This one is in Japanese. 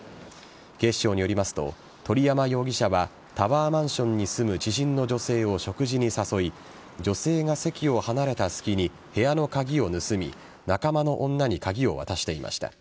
警視庁によりますと鳥山容疑者はタワーマンションに住む知人の女性を食事に誘い女性が席を離れた隙に部屋の鍵を盗み仲間の女に鍵を渡していました。